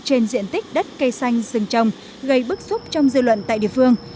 trên diện tích đất cây xanh rừng trồng gây bức xúc trong dư luận tại địa phương